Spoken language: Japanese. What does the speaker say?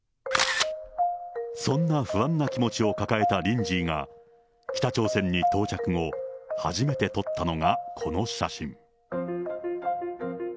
そんな不安な気持ちを抱えたリンジーが北朝鮮に到着後、初めて撮ったのがこの写真。